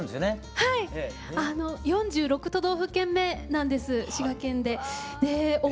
はい４６都道府県目なんです。